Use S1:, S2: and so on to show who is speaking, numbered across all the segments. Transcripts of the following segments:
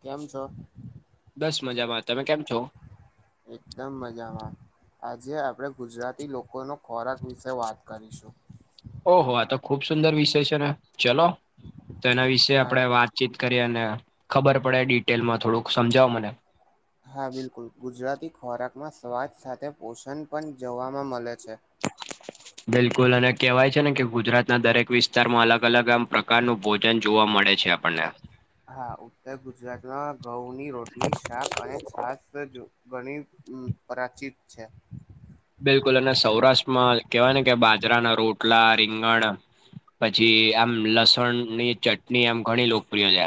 S1: કેમ છો.
S2: બસ મજામાં તમે કેમ છો
S1: એકદમ મજામાં. આજે આપણે ગુજરાતી લોકોનો ખોરાક વિશે વાત કરીશું.
S2: ઓહો આ તો ખુબ સુંદર વિષય છે ને ચલો તો એના વિશે
S1: હા
S2: આપણે વાત. ચીત કરી અને ખબર પડે ડિટેલમાં થોડુંક સમજાવો મને.
S1: હા બિલકુલ ગુજરાતી ખોરાકમાં સ્વાદ સાથે પોષણ પણ જોવામાં મળે છે. [inaudible]
S2: બિલકુલ અને કહેવાય છે ને કે ગુજરાતના દરેક વિસ્તારમાં અલગ અલગ આમ પ્રકારનું ભોજન ભોજન જોવા મળ
S1: હા ઉત્તર ગુજરાતમાં ઘઉની રોટલી શાક અને છાસ ગણી પાચિત છે.
S2: બિલકુલ અને સૌરાષ્ટ્રમાં કેવાય ને કે બાજરાના રોટલા રીંગણ પછી આમ લસણની ચટણી આમ ઘણી લોકપ્રિય છે.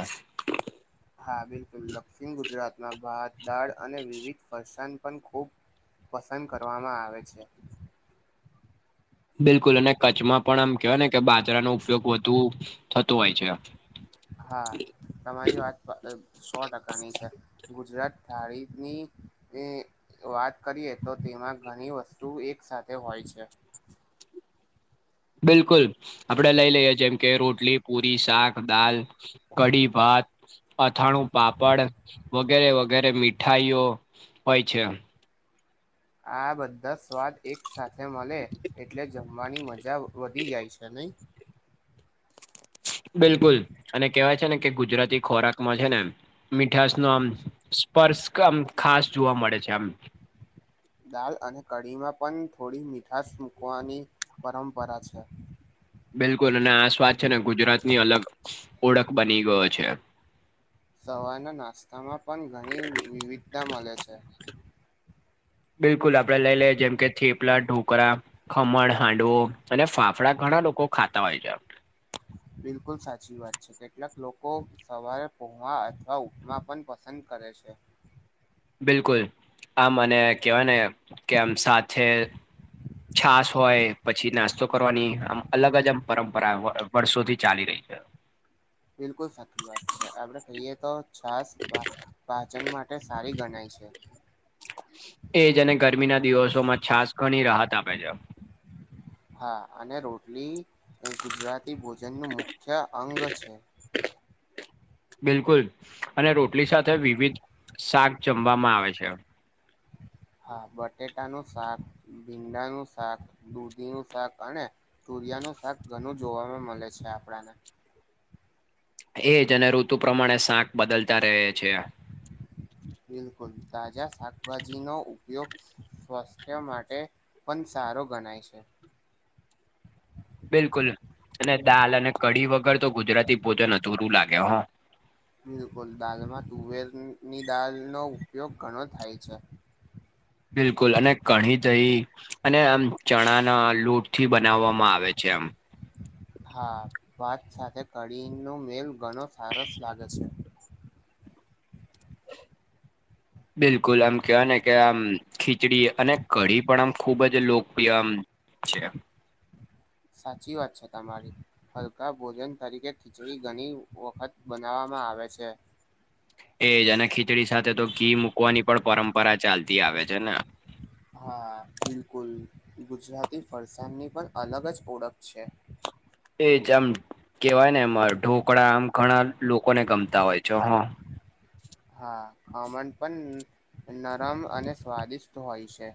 S1: હા બિલકુલ દક્ષિણ ગુજરાતમાં ભાત દાળ અને વિવિધ ફસાણ પણ ખૂબ પસંદ કરવામાં આવે છે.
S2: બિલકુલ અને કચ્છમાં પણ આમ કહેવાય ને કે બાજરાનો ઉપયોગ વધુ થતો હોય છે.
S1: હા તમારી વાત સો ટકાની છે. ગુજરાત ધારીની એ વાત કરીએ તો તેમાં ઘણી વસ્તુ એક સાથે હોય છે.
S2: બિલકુલ આપડે લઈ લઈએ જેમ કે રોટલી પૂરી સાક દાલ કડી ભાત અથાણું પાપડ વગેરે વગેરે મીઠાઈઓ હોય છે.
S1: આ બધા સ્વાદ એક સાથે મળે એટલે જમ મવાની મજા વધી જાય છે નહી.
S2: બિલકુલ અને કેહેવાય છે ને કે ગુજરાતી ખોરાકમાં છે ને મીઠશ નો આમ સ્પર્શ આમ ખાસ જોવા મળે છે આમ.
S1: [inaudible] દાલ અને કઢીમાં પણ થોડી મીઠશ મૂકવાની પરંપરા છે.
S2: બિલકુલ અને આ સ્વાત છે ને ગુજરાતની અલગ ઓળખ બની ગયો છે.
S1: સવારના નાસ્તામાં પણ ઘણી વિવિધતા મળે છે.
S2: બિલકુલ આપડે લઈ લઈએ જેમ કે થેપલા, ઢોકળાં, ખમણ, હાંડવો અને ફા ફાફડા ઘણા લોકો ખાતા હોય છે.
S1: બિલકુલ સાચી વાત છે કેટલાક લોકો સવારે પોવા અથવા ઉપમા પણ પસંદ કરે છે.
S2: બિલકુલ આમ મને કહેવાય ને કે આમ સાત છે છાસ હોય પછી નાસ્તો કરવાની આમ અલગ જ આમ પરંપરા વર્ષોથી ચાલી રહી છે.
S1: બિલકુલ સાચી વાત છે આપડે કહીએ તો છાસ પાચન માટે સારી ગણાય છે.
S2: એજ અને ગરમી ના દિવસોમાં છાસ ઘણી રાહત આપે છે.
S1: હા અને રોટલી ગુજરાતી ભોજનનું મુખ્ય અંગ છે.
S2: [inaudible] [unintelligible] બિલકુલ અને રોટલી સાથે વિવિધ શાક જમવામાં આવે છે.
S1: હા બટેટાનું શાક, ભીંડાનું શાક, દૂધીનું શાક અને તુરિયાનું શાક ઘણું જોવાવામાં મળે છે આપણાને
S2: એજ અને ઋતુ પ્રમાણે શાક બદલતા રહે છે.
S1: [unintelligible] [inaudible] બિલકુલ તાજા શાકભાજી નો ઉપયોગ સ્વાસ્થ્ય માટે પણ સારો ગણાય છે.
S2: બિલકુલ અને દાલ અને કઢી વગર તો ગુજરાતી ભોજન અધૂરું લાગે હ
S1: બિલકુલ દાળમાં તુવેરની દાળનો ઉપયોગ ઘણો થાય છે.
S2: બિલકુલ અને કણી થઈ અને આમ ચણાના લોટ થી બનાવવામાં આવે છે એમ
S1: હા ભાત સાથે કઢીનો મેળ ઘણો સરસ લાગે છે.
S2: બિલકુલ આમ કહવા ને કે આમ ખીચડી અને કઢી પણ આમ ખૂબ જ લોકપ્રિય આમ જ [unintelligible]
S1: સાચી વાત છે તમારી હ. કા ભોજન તરીકે ખીચડી ઘણી વખત બનાવવામાં આવે છે.
S2: એજ અને ખીચડી સાથે તો ઘી મૂકવાની પણ પરંપરા ચાલતી આવે છે ને
S1: હા બિલકુલ ગુજરાતી ફરસાણની પણ અલગ જ ઓળખ છે.
S2: એજ આમ કેવાય ને એમાં ઢોકળા આમ ઘણા લોકોને ગમતા હોય છે હ.
S1: હા ખમણ પણ નરમ અને સ્વાદિષ્ટ હોય છે.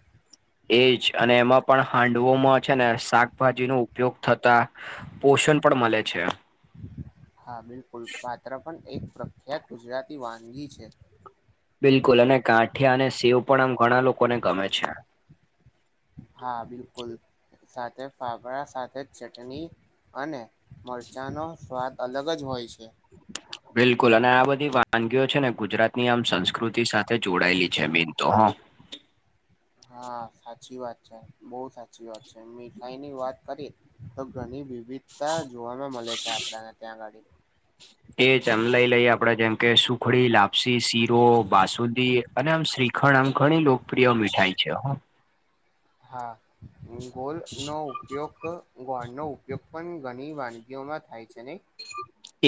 S2: એજ અને એમાં પણ હાંડવોમાં છે ને શાકભાજી નું ઉપયોગ થતા પોષણ પણ મળે છે.
S1: હા બિલકુલ પાત્ર પણ એક પ્રખ્યાત ગુજરાતી વાનગી છે.
S2: બિલકુલ અને ગાઠિયા અને શેવ પણ આમ ઘણા લોકોને ગમે છે.
S1: હા બિલકુલ સાથે ફાફડા સાથે ચટણી અને મરચાંનો સ્વાદ અલગ જ હોય છે.
S2: બિલકુલ અને આ બધી વાનગીઓ છે ને ગુજરાત ની આમ સંસ્કૃતિ સાથે જોડાયેલી છે મેઈન તો હ. [unintelligible]
S1: હા સાચી વાત છે બહ સાચી વાત છે મીઠાઈ ની વાત કરી. તો ઘણી વિવિધતા જોવાવામાં મળે છે આપણને ત્યાં આગાડી-
S2: એ જમ લઈ લઈએ આપડે જેમ કે સુખડી, લાપસી, શીરો તો બાસુદી અને આમ શ્રીખંડ આમ ઘણી લોકપ્રિય મીઠાઈ છે.
S1: હા ગોળનો ઉપયોગ કર. ગોળનો ઉપયોગ પણ ઘણી વાનગીઓમાં થાય છે નહી?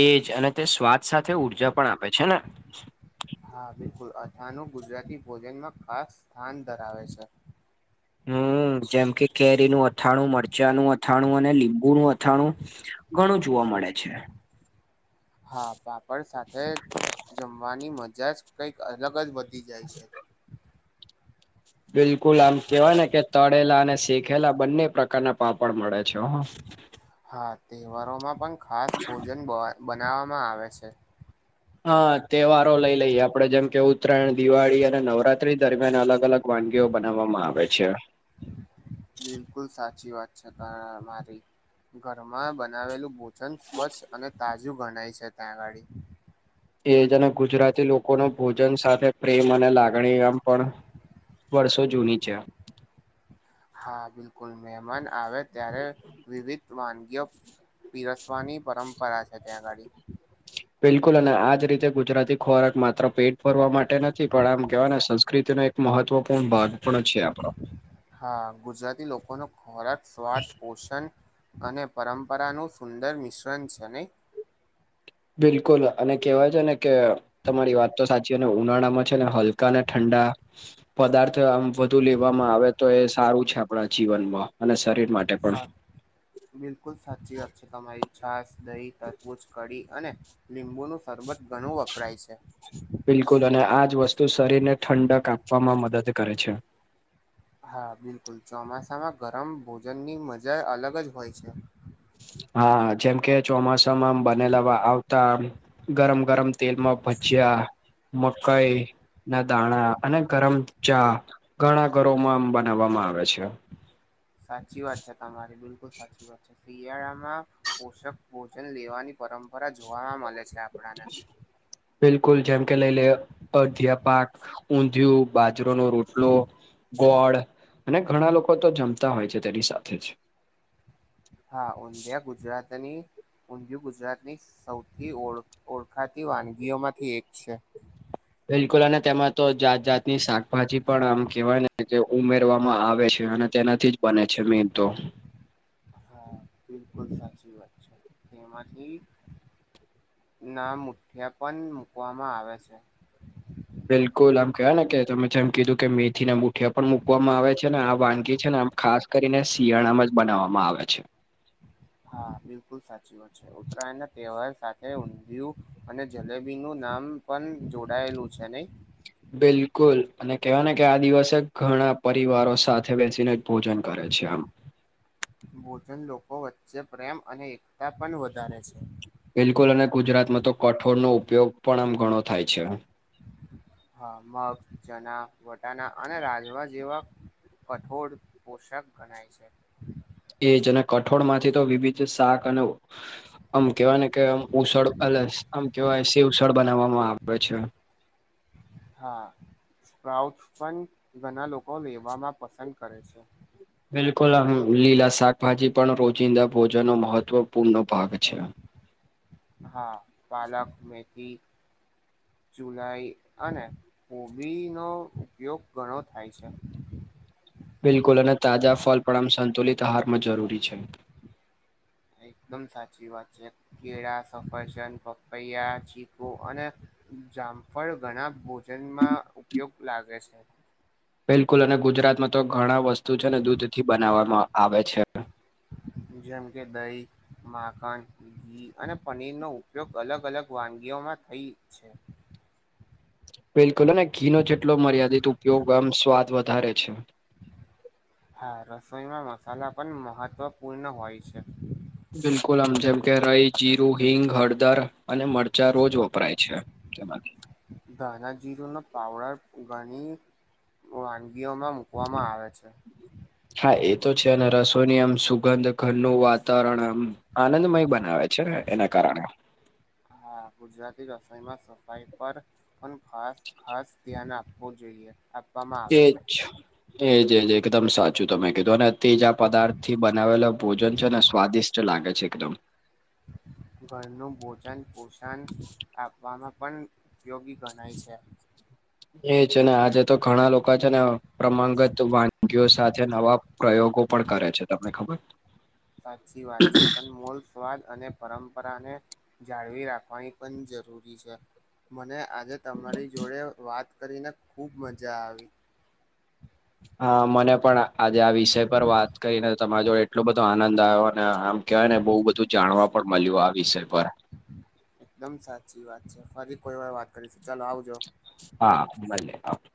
S2: એજ અને તે સ્વાદ સાથે ઉર્જા પણ આપે છે ને
S1: હા બિલકુલ અથાણું ગુજરાતી ભોજનમાં ખાસ સ્થાન ધરાવે છે.
S2: હમ જેમ કે કેરીનું અથાણું, મરચાંનું અથાણું અને લીંબુનું અથાણું ઘણું જોવા મળે છે
S1: હા પાપડ સાથે જમવાની મજા જ કંઈક અલગ જ વધી જાય છે
S2: બિલકુલ આમ કેવાય ને કે તળેલા અને શેખેલા બંને પ્રકારના પાપડ મળે છે
S1: હા તહેવારોમાં પણ ખાસ ભોજન બ બનાવવામાં આવે છે
S2: હા તહેવારો લઈ લઈએ આપડે જેમ કે ઉત્તરાયણ દિવાળી અને નવરાત્રી દરમિયાન અલગ અલગ વાનગીઓ બનાવવામાં આવે છે
S1: બિલકુલ સાચી વાત છે ત મારી ઘરમાં બનાવેલું ભોજન સ્વચ્છ અને તાજું ગણાય છે ત્યાંગાળી
S2: એજને ગુજરાતી લોકો નો ભોજન સાથે પ્રેમ અને લાગણી આમ પણ વર્ષો જૂની છે.
S1: હા બિલકુલ મેહમાન આવે ત્યારે વિવિધ વાનગીઓ પીરસવાની પરંપરા છે ત્યાં આગાડી
S2: બિલકુલ અને આજ રીતે ગુજરાતી ખોરાક માત્ર પેટ ફરવા માટે નથી પણ આમ કેવા ને સસ્ આકૃતિનો એક મહત્વપૂર્ણ ભાગ પણ છે આપણો
S1: હા ગુજરાતી લોકો નો ખોરાક સ્વાદ, પોષણ અને પરંપરા નું સુંદર મિશ્રણ છે નહી
S2: બિલકુલ અને કેહેવાય છેને કે તમારી વાત તો સાચી અને ઉનાળામાં છે ને હલ ક ના ઠંડા પદાર્થ આમ વધુ લેવામાં આવે તો એ સારું છે આપણા જીવનમાં અને શરીર માટે પણ
S1: સા બિલકુલ સાચી વાત છે તમારી છાસ, દહી, તરબૂજ, કઢી અને લીંબુ નુ શરબત ઘણું વપરાય છે.
S2: બિલકુલ અને આજ વસ્તુ શરીરને ઠંડક આપવામાં મદદ કરે છે.
S1: હા બિલકુલ ચોમાસામાં ગરમ ભોજનની મજા અલગ જ હોય છે.
S2: હા જેમ કે ચોમાસામાંમ બનેલા આવતા ગરમ ગરમ તેલમાં ભજીયા મકાઈ ના દાણા અને ગરમ ચા ઘણા ઘરોમાં આમ બનાવવામાં આવે છે.
S1: સાચી વાત છે, તમારી બિલકુલ સાચી વાત છે, શિયાળામાં પોષક ભોજન લેવાની પરંપરા જોવા મળે છે. આપણાને.
S2: [unintelligible] બિલકુલ જેમ કે લઈ લે અડધિયા પાક, ઊંધિયું, બાજરોનો રોટલો ગોળ અને ઘણા લોકો તો જમતા હોય છે તેની સાથે જ
S1: હા ઊંધિયા ગુજરાતની ઊંધિયું, ગુજરાતની સૌથી ઓ ઓળખાતી વાનગીઓમાંથી એક છે.
S2: બિલકુલ અને તેમાં તો જાત જાતની શાકભાજી પણ આમ કેહેવાય ને ઉમેરવામાં આવે છે અને તેના જ બને છે, મેન તો
S1: હા બિલકુલ સાચી વાત છે, તેમાંથી ના મુઠિયા પણ મુકવામાં આવે છે.
S2: બિલકુલ આમ કહવા ને કે તમે જેમ કીધું કે મેથી ના બુટ ગઠ પણ મુૂકવામાં આવે છે ને આ વાનગી છે ને આમ ખાસ કરીને શિયાળામાં જ બનાવવામાં આવે છે.
S1: હા બિલકુલ સાચી ઉત્તરાયણ ના તૈવાર સાથે ઊંધિયું અને જલેબી નું નામ પણ જોડાયેલું છે નહી
S2: બિલકુલ અને કેવાય ને કે આ દિવસે ઘણા પરિવારો સાથે બેસીને ભોજન કરે છે આમ
S1: ભોજન લોકો વચ્ચે પ્રેમ અને એકતા પણ વધારે છે.
S2: બિલકુલ અને ગુજરાતમાં તો કઠોળનો ઉપયોગ પણ આમ ઘણો થાય છે.
S1: હા મગ, ચણા, વટાણા અને રાજમા જેવા કઠોળ પોષક ગણાય છે.
S2: એજ અને કઠોળ માંથી તો વિવિધ શાક અને આમ કેવાય ને કેમ ઉસળ અલગ આમ કેવાય શેવ ઉસળ બનાવવામાં આવે છે.
S1: [inaudible] હા સ્પ્રાઉટ પણ ઘણા લોકો લેવામાં પસંદ કરે છે.
S2: બિલકુલ આમ લીલા શાકભાજી પણ રોજિંદા ભોજન નો મહત્વપૂર્ણ ભાગ છે.
S1: હા પાલક, મેથી જુલાઈ અને હોબીનો ઉપયોગ ઘણો થાય છે.
S2: બિલકુલ અને તાજા ફલ પણ આમ સંતુલિત આહારમાં જરૂરી છે.
S1: એકદમ સાચી વાત છે કેળા સફરજન પપૈયા ચીકુ અને જામ ફળ ઘણા ભોજનમાં ઉપયોગ લાગે છે
S2: બિલકુલ અને ગુજરાતમાં તો ઘણા વસ્તુ છે ને દૂધ થી બનાવવામાં આવે છે
S1: જેમ કે દહી માખન ઘી અને પનીર નો ઉપયોગ અલગ અલગ વાનગીઓમાં થઈ છે
S2: બિલકુલ અને ઘી ન જેટલો મર્યાદિત ઉપયોગ આમ સ્વાદ વધારે છે
S1: હા રસોઈમાં મસાલા પણ મહત્વપૂર્ણ હોય છે
S2: બિલકુલ આમ જેમ કે રઈ જીરું હિંગ હળદર અને મરચાં રોજ વપરાય છે જમાં
S1: દાદા જવ ના પાાવડાર ગણી વાનગીઓમાં મુૂકવામાં આવે છે
S2: હા એ તો છે અને રસોની આમ સુગંધ ઘરનું વાતાવરણ આમ આનંદમય બનાવે છે છે એના કારણે
S1: હા ગુજરાતી રસમમાં સફાઈ પર કોન ખાસ ખાસ ધ્યાન આપ હોવ જોઈએ આપવામાં આવે
S2: એજ
S1: છે
S2: એજજ એકદમ સાચું તમે કીધું ને તેજા પદાર્થ થી બનાવેલ ભોજન છે ને સ્વાદિષ્ટ લાગે છે એકદમ
S1: ઘરનું ભોજન પોષણ આપવામાં પણ ઉપયોગી ગણાય છે
S2: એ છે ને આજા તો ઘણા લોકો છે ને પ્રમાંંગત વાનગીઓ સાથે નવા પ્રયોગો પણ કરે છે તમને ખબર
S1: સાચી વાત છે પણ મોલ સ્વાદ અને પરંપરાને જાળવી રાખવાની પણ જરૂરી છે મને આજે તમારી જોડે વાત કરીને ખૂબ મજા આવી
S2: હ મને પણ આજે આ વિષય પર વાત કરીને તમારા જોડે એટલો બધો આનંદ આવ્યો અને આમ કવાય ને બહુ બધું જાણવા પણ મળ્યું આ વિષય પર
S1: એકદમ સાચી વાત છે ફરી કોઈ વાર વાત કરીશું ચાલો આવજો
S2: હા ભ